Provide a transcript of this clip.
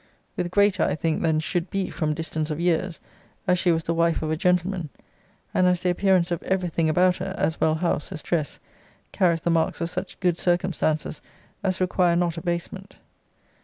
With greater, I think, than should be from distance of years, as she was the wife of a gentleman; and as the appearance of every thing about her, as well house as dress, carries the marks of such good circumstances, as require not abasement.